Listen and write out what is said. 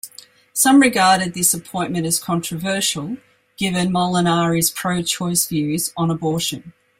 Some regarded this appointment as controversial, given Molinari's pro-choice views on abortion.